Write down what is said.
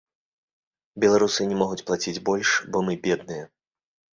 Беларусы не могуць плаціць больш, бо мы бедныя.